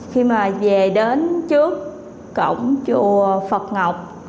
khi mà về đến trước cổng chùa phật ngọc